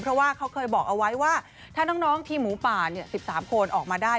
เพราะว่าเขาเคยบอกเอาไว้ว่าถ้าน้องทีมหมูป่า๑๓คนออกมาได้